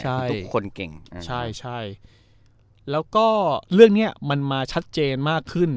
ใช่ทุกคนเก่งใช่ใช่แล้วก็เรื่องเนี้ยมันมาชัดเจนมากขึ้น